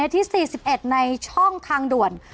ที่๔๑ในช่องทางด่วน